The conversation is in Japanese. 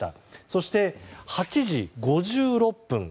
そして、８時５６分。